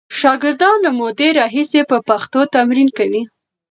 شاګرد له مودې راهیسې په پښتو تمرین کوي.